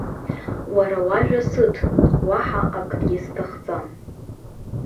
Уара уажәа сыҭ, уаҳа акгьы сҭахӡам.